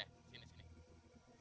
eh sini sini